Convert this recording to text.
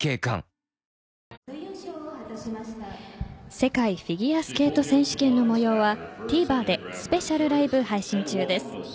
世界フィギュアスケート選手権の模様はＴＶｅｒでスペシャルライブ配信中です。